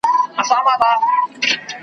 توپان راغی او د ټولو مړه سول غړي .